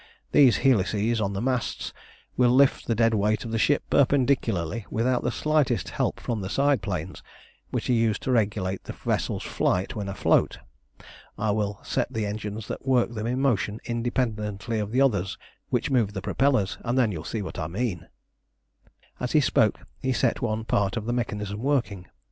These helices on the masts will lift the dead weight of the ship perpendicularly without the slightest help from the side planes, which are used to regulate the vessel's flight when afloat. I will set the engines that work them in motion independently of the others which move the propellers, and then you will see what I mean." As he spoke, he set one part of the mechanism working.